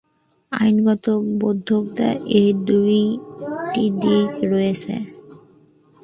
আইনগত বৈধতা: এর দুইটি দিক রয়েছে।